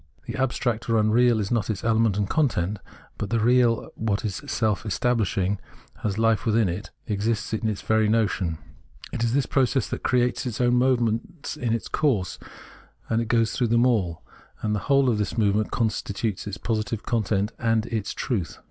The abstract or unreal is not its element and content, but the real, what is self establishing, has life within itself, existence in its very notion. It is the process that creates its own moments in its course, and goes through them all ; and the whole of this movement constitutes its positive 44 ' Phenomenology of Mind content and its truth.